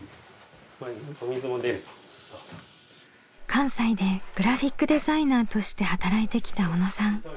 関西でグラフィックデザイナーとして働いてきた小野さん。